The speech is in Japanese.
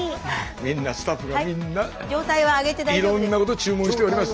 みんなスタッフがみんないろんなこと注文しております。